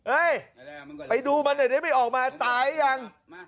เฮ้ยไปดูมันเดี๋ยวไม่ออกมาตายยัง